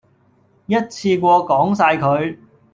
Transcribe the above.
一次過講曬佢